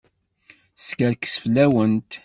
Teskerkes fell-awent.